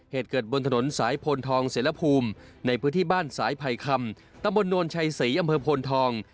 เหตุเกิดบนถนนสายพลทองเสรภูมิในพื้นที่บ้านสายไผ่คำตำบลโนนชัยศรีอำเภอโพนทอง